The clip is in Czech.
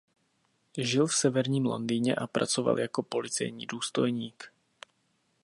Žil v severním Londýně a pracoval jako policejní důstojník.